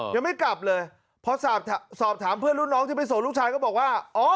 ยังไม่กลับเลยพอสอบถามเพื่อนรุ่นน้องที่ไปส่งลูกชายก็บอกว่าอ๋อ